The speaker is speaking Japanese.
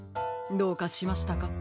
どうかしましたか？